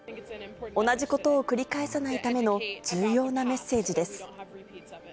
同じことを繰り返さないための重要なメッセージです。